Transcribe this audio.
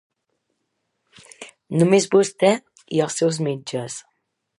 Només vosté i els seus metges.